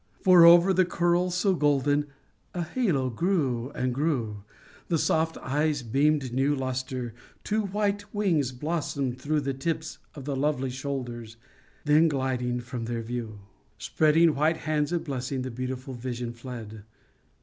For over the curls so golden, a halo grew and grew, The soft eyes "beamed new lustre, two white wings blossomed through The tips of the lovely shoulders, â then, gliding from their view, Spreading white hands of blessing, the beautiful vision fled